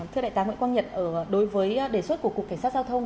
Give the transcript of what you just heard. thưa đại tá nguyễn quang nhật đối với đề xuất của cục cảnh sát giao thông